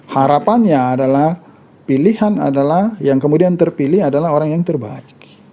harapannya adalah pilihan adalah yang kemudian terpilih adalah orang yang terbaik